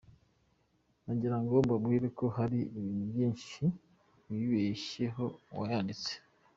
Nagirango mbabwire ko hali ibintu byinshi yibeshyeho uwayanditse.